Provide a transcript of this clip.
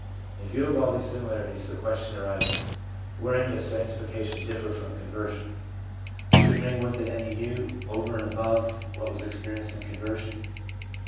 In view of all these similarities, the question arises, Wherein does sanctification differ from conversion? 380 THE PSYCHOLOGY OF RELIGION Does it bring with it anything new, over and above what was experienced in conversion